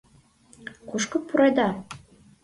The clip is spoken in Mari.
Кушко пуреда?